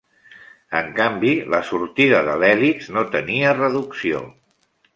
En canvi la sortida de l'hèlix no tenia reducció.